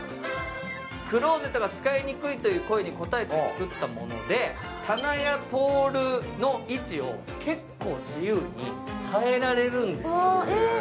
クローゼットが使いにくいという声に応えて造ったもので、棚やポールの位置を結構自由に変えられるんですよね。